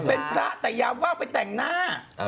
เป็นพระแต่ยามว่าวไปแต่งหน้า